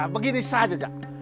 begini saja jak